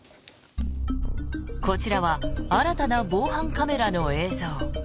こちらは新たな防犯カメラの映像。